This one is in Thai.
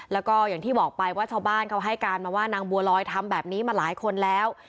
แล้วก็อย่างที่บอกไปว่าชาวบ้านเขาให้การมาว่านางบัวลอยทำแบบนี้มาหลายคนแล้ว